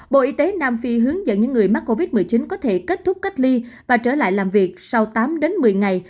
bộ y tế nam phi hướng dẫn những người mắc covid một mươi chín có thể kết thúc cách ly và trở lại làm việc sau tám đến một mươi ngày